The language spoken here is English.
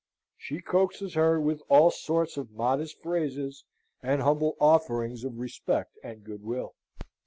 She coaxes her with all sorts of modest phrases and humble offerings of respect and goodwill.